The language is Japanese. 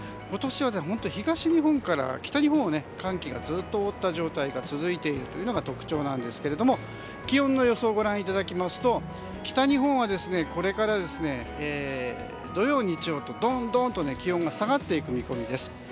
今年は東日本から北日本を寒気がずっと覆った状態が続いているというのが特徴なんですが気温の予想をご覧いただきますと北日本はこれから土曜、日曜とドンドンと気温が下がっていく見込みです。